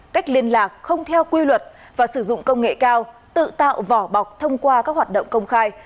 cách liên lạc không theo quy luật và sử dụng công nghệ cao tự tạo vỏ bọc thông qua các hoạt động công khai